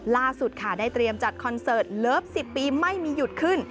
ล่าสุดค่ะได้เตรียมจัดคอนเสิร์ตเลิฟ๑๐ปีไม่มีหยุดขึ้น